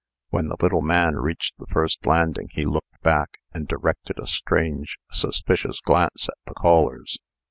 When the little man reached the first landing he looked back, and directed a strange, suspicious glance at the callers.